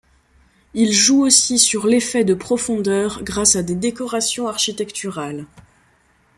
Il joue aussi sur l'effet de profondeur grâce à des décorations architecturales.